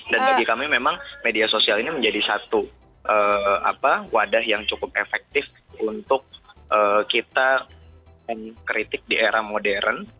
dan bagi kami memang media sosial ini menjadi satu wadah yang cukup efektif untuk kita mengkritik di era modern